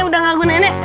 udah ngaku nenek